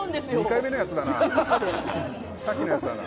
２回目のやつだな。